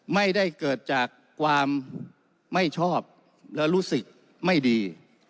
ไม่ได้เกิดจากความไม่ชอบและรู้สึกไม่ดี